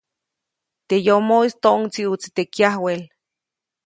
Teʼ yomoʼis toʼŋdsiʼutsi teʼ kyawel.